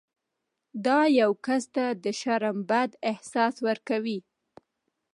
دا یو کس ته د شرم بد احساس ورکوي.